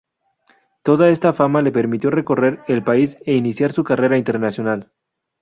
Toda esta fama le permitió recorrer el país e iniciar su carrera internacional.